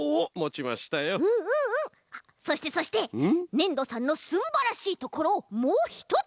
ねんどさんのすんばらしいところをもうひとつ！